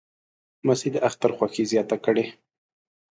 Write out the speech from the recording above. لمسی د اختر خوښي زیاته کړي.